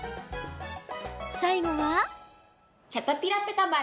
最後は。